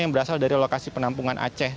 yang berasal dari lokasi penampungan aceh